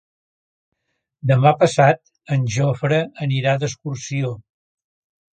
Demà passat en Jofre anirà d'excursió.